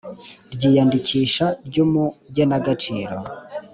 ry iyandikisha ry umugenagaciro